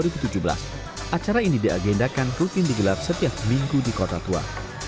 pada tahun dua ribu tujuh belas acara ini diagendakan rutin digelar setiap minggu di kota tua